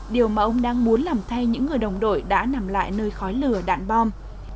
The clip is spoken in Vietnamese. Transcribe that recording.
điều mà ông đang muốn làm thay những người đồng đội đã nằm lại nơi khói lửa đạn bom